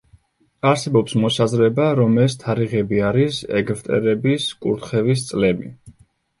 არსებობს მოსაზრება, რომ ეს თარიღები არის ეგვტერების კურთხევის წლები.